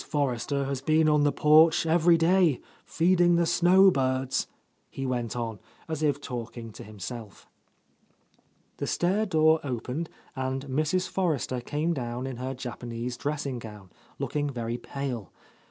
Forrester has been on the porch every day, feed ing the snow birds," he went on, as if talking to himself. The stair door opened, and Mrs. Forrester came down in her Japanese dressing gown, looking very pale.